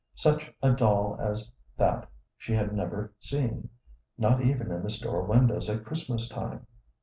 Such a doll as that she had never seen, not even in the store windows at Christmas time.